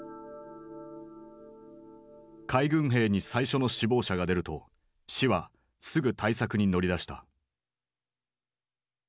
海軍兵に最初の死亡者が出ると市はすぐ対策に乗り出した。